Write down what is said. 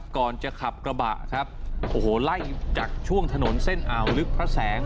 ก่อนจะขับกระบะครับโอ้โหไล่จากช่วงถนนเส้นอ่าวลึกพระแสง